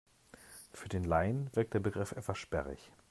Für den Laien wirkt der Begriff etwas sperrig.